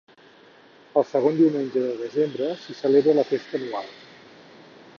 El segon diumenge de desembre s'hi celebra la festa anual.